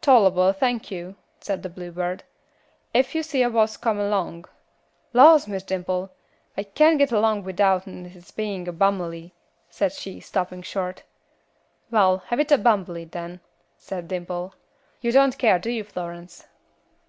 "'Tollable, thank you,' says the bluebird. 'Ef yuh see a wass come along ' Laws, Miss Dimple, I can't get along without'n hit's being a bummely," said she, stopping short. "Well, have it a bummely then," said Dimple. "You don't care, do you, Florence?"